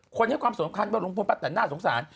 คนให้ความสมควรกับลุงพลป้าแต่หน้าสงสาร